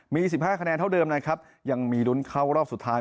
มี๑๕คะแนนเท่าเดิมนะครับยังมีลุ้นเข้ารอบสุดท้าย